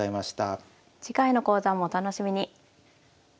次回の講座もお楽しみに。